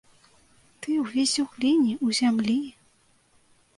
Ты ўвесь у гліне, у зямлі.